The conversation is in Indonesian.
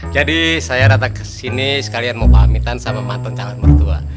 jadi saya datang kesini sekalian mau pamitan sama mantan calon mertua